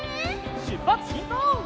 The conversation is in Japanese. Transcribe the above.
しゅっぱつしんこう！